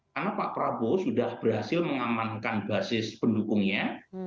karena pak prabowo sudah berhasil mengamankan basis pendukungnya